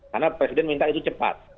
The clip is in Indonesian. karena presiden minta itu cepat